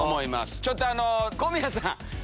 ちょっと小宮さん。